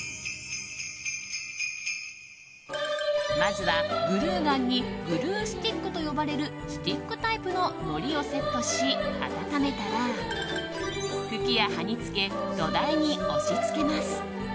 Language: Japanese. まずはグルーガンにグルースティックと呼ばれるスティックタイプののりをセットし温めたら茎や葉につけ土台に押し付けます。